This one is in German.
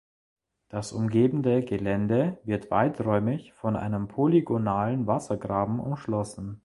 Das umgebende Gelände wird weiträumig von einem polygonalen Wassergraben umschlossen.